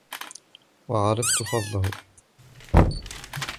وَعَرَفْتَ فَضْلَهُ